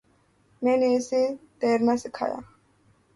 میں نے اسے تیرنا سکھایا۔